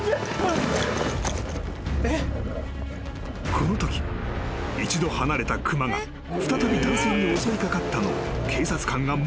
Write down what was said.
［このとき一度離れた熊が再び男性に襲い掛かったのを警察官が目撃している］